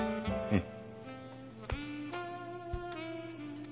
うん。